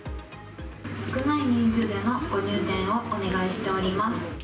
少ない人数でのご入店をお願いしております。